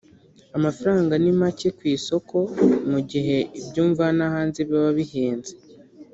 amafaranga ni make ku isoko mu gihe ibyo mvana hanze biba bihenze